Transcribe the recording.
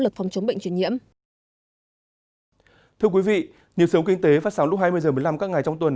thưa quý vị nhiều sống kinh tế phát sóng lúc hai mươi h một mươi năm các ngày trong tuần